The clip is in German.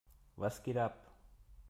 Was geht ab?